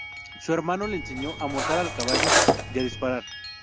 Su hermano le enseñó a montar a caballo y a disparar.